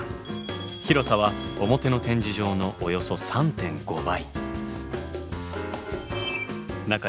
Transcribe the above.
広さは表の展示場のおよそ３．５倍。